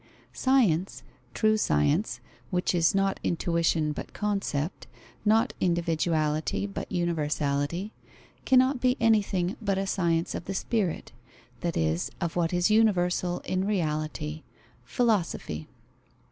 Science, true science, which is not intuition but concept, not individuality but universality, cannot be anything but a science of the spirit, that is, of what is universal in reality: Philosophy.